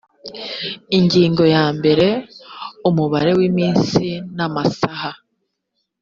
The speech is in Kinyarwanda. ingingo ya mbere umubare w’iminsi n’amasaha